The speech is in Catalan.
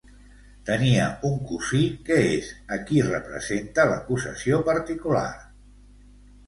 Tenia un cosí que és a qui representa l'acusació particular.